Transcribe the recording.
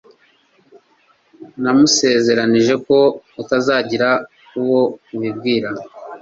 Namusezeranije ko atazagira uwo abibwira.